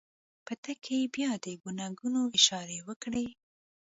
په تګ کې يې بيا د ګونګيانو اشارې وکړې.